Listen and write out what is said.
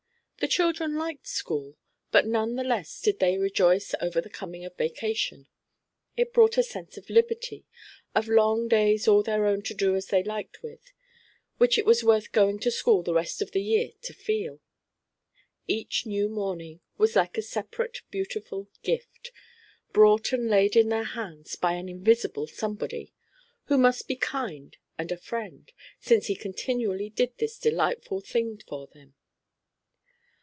The children liked school, but none the less did they rejoice over the coming of vacation. It brought a sense of liberty, of long days all their own to do as they liked with, which it was worth going to school the rest of the year to feel. Each new morning was like a separate beautiful gift, brought and laid in their hands by an invisible somebody, who must be kind and a friend, since he continually did this delightful thing for them.